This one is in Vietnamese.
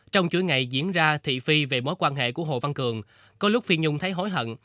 trong chuỗi ngày diễn ra thị phi về mối quan hệ của hồ văn cường có lúc phi nhung thấy hối hận